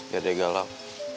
biar dia galau